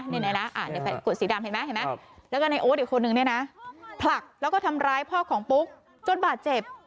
นี่นะในกวดสีดำเห็นไหมเห็นไหมแล้วก็ในโอ๊ตอีกคนนึงเนี่ยนะผลักแล้วก็ทำร้ายพ่อของปุ๊กจนบาดเจ็บ